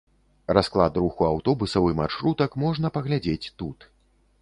Расклад руху аўтобусаў і маршрутак можна паглядзець тут.